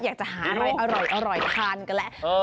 อยากจะหาอะไรอร่อยทานกันแหละ